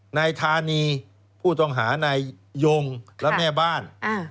นายธานีผู้ต้องหานายยงและแม่บ้าน